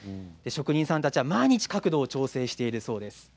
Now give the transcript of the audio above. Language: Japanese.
職人さんたちは毎日、角度を調整しているということです。